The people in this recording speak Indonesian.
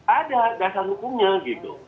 ada dasar hukumnya gitu